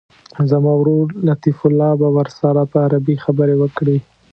زما ورور لطیف الله به ورسره په عربي خبرې وکړي.